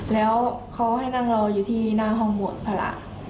แล้วเขาให้นั่งรออยู่ที่หน้าห้องบวชภาระ